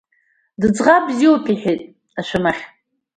Дыӡӷаб бзиоуп, – иҳәеит ашәамахь.